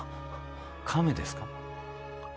亀ですか？